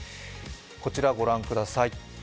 こちらご覧ください。